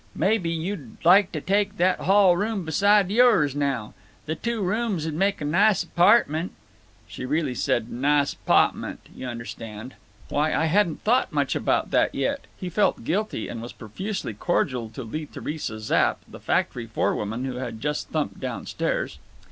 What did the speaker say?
"Maybe you'd like to take that hall room beside yours now. The two rooms'd make a nice apartment." (She really said "nahs 'pahtmun'," you understand.) "Why, I hadn't thought much about that yet." He felt guilty, and was profusely cordial to Lee Theresa Zapp, the factory forewoman, who had just thumped down stairs.